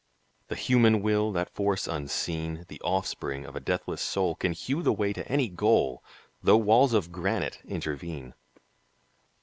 The human Will, that force unseen, The offspring of a deathless Soul, Can hew the way to any goal, Though walls of granite intervene.